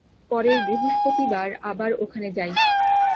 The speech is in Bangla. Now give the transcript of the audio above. পরের বৃহস্পতিবার আবার ওখানে যাই।